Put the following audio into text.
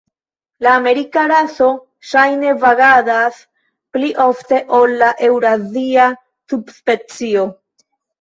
La amerika raso ŝajne vagadas pli ofte ol la eŭrazia subspecio.